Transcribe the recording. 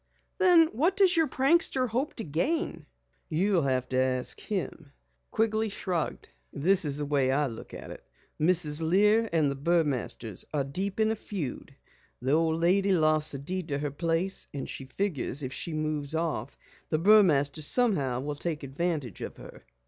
"Then what does your prankster hope to gain?" "You'll have to ask him," Joe Quigley shrugged. "This is the way I look at it. Mrs. Lear and the Burmasters are deep in a feud. The old lady lost the deed to her place and she figures if she moves off, the Burmasters somehow will take advantage of her."